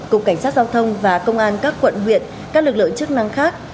cục cảnh sát giao thông và công an các quận huyện các lực lượng chức năng khác